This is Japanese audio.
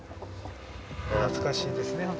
懐かしいですね本当ね。